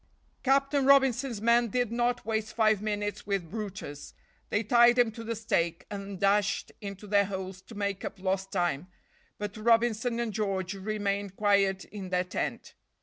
Captain Robinson's men did not waste five minutes with brutus. They tied him to the stake, and dashed into their holes to make up lost time, but Robinson and George remained quiet in their tent.